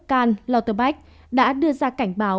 karl lauterbach đã đưa ra cảnh báo